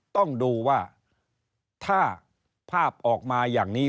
ต้องดูว่าถ้าภาพออกมาอย่างนี้